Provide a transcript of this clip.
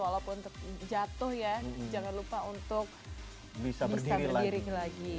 walaupun jatuh ya jangan lupa untuk bisa berdiri lagi